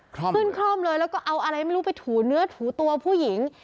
ขึ้นคร่อมเลยแล้วก็เอาอะไรไม่รู้ไปถูเนื้อถูตัวผู้หญิง